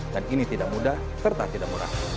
dan ini tidak mudah serta tidak murah